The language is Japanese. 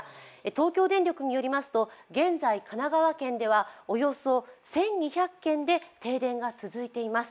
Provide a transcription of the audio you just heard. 東京電力によりますと現在神奈川県ではおよそ１２００軒で停電が続いています。